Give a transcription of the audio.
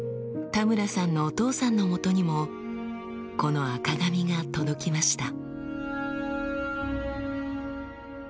田村さんのお父さんのもとにもこの赤紙が届きました。